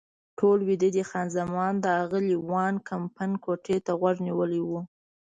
ټول ویده دي، خان زمان د اغلې وان کمپن کوټې ته غوږ نیولی و.